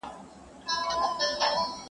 • سړی چي مړسي ارمانونه يې دلېپاتهسي,